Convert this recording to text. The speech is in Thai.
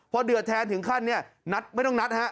พอเดือดแทนถึงขั้นนัดไม่ต้องนัด